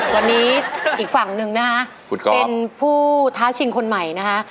ตอนนี้อีกฝั่งหนึ่งนะคะเป็นผู้ท้าชิงคนใหม่นะคะ